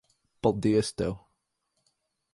Paldies tev.